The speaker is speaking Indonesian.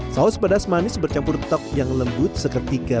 saus pedas manis bercampur tok yang lembut seketika